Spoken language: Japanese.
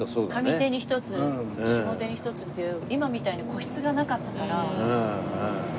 上手に１つ下手に１つっていう今みたいに個室がなかったから。